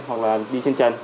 hoặc là đi trên trần